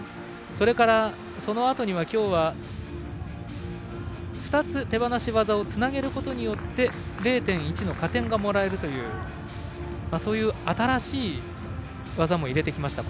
それからそのあとに今日は２つ、手放し技をつなげることによって０．１の加点がもらえるという新しい技も入れてきました。